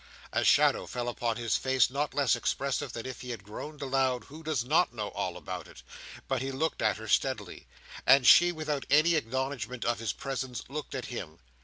A shadow fell upon his face not less expressive than if he had groaned aloud, "Who does not know all about it!" but he looked at her steadily, and she, without any acknowledgment of his presence, looked at him.